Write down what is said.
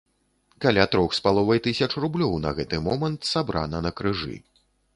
Каля трох з паловай тысяч рублёў на гэты момант сабрана на крыжы.